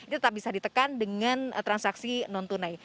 ini tetap bisa ditekan dengan transaksi non tunai